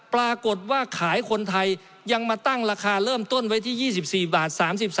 ปรากฏว่าขายคนไทยยังมาตั้งราคาเริ่มต้นไว้ที่๒๔บาท๓๓